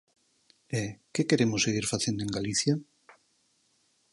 E ¿que queremos seguir facendo en Galicia?